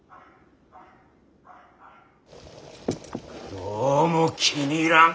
どうも気に入らん。